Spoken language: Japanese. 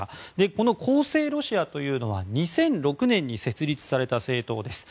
この公正ロシアというのは２００６年に設立された政党です。